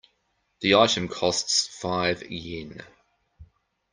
The item costs five Yen.